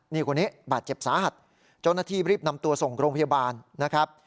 นี่คนนี้บาดเจ็บสาหัสเจ้าหน้าที่รีบนำตัวส่งโรงพยาบาลนะครับ